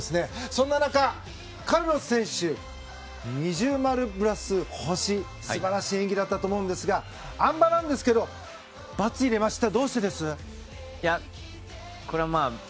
そんな中、カルロス選手二重丸プラス星素晴らしい演技だったと思うんですが、あん馬なんですがバツを入れました。